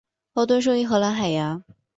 豪敦生于荷兰海牙。